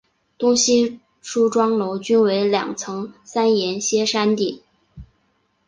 东西梳妆楼均为两层三檐歇山顶。